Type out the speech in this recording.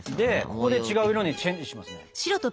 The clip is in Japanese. ここで違う色にチェンジしますね。